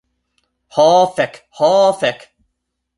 Ho fek' ho fek'...